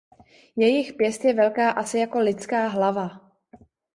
Jejich pěst je velká asi jako lidská hlava.